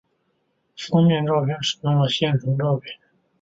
封面照片使用了现成照片。